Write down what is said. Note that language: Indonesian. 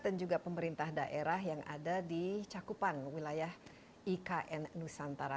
dan juga pemerintah daerah yang ada di cakupan wilayah ikn nusantara